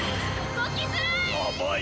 動きづらい！